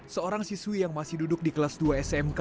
seorang siswi yang masih duduk di kelas dua smk